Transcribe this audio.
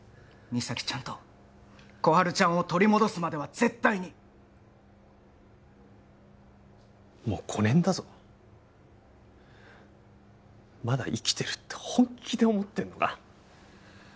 実咲ちゃんと心春ちゃんを取り戻すまでは絶対にもう５年だぞまだ生きてるって本気で思ってんのか？